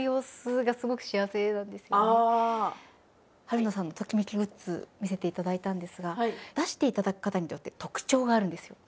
春菜さんのときめきグッズ見せていただいたんですが出していただく方によって特徴があるんですよ。